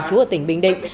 trú ở tỉnh bình định